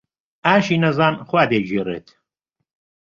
ئاشی نەزان خوا دەیگێڕێت.